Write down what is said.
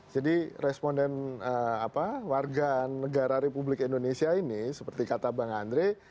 jadi responden warga negara republik indonesia ini seperti kata bang andre